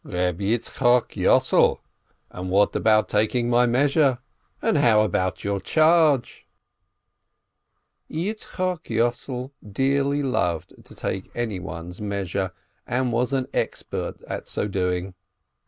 "Reb Yitzchok Yossel! And what about taking my measure ? And how about your charge ?" Yitzchok Yossel dearly loved to take anyone's meas ure, and was an expert at so doing.